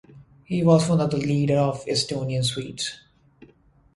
He was one of the leader of Estonian Swedes.